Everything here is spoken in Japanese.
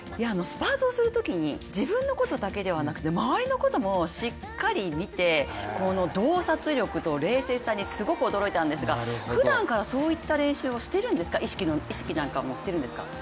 スパートをするときに自分のことだけではなくて周りのこともしっかり見て、洞察力と冷静さにすごく驚いたんですが、ふだんからそういった練習をしてるんですか意識なんかもしてるんですか。